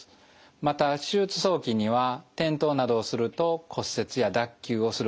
また手術早期には転倒などをすると骨折や脱臼をすることがあります。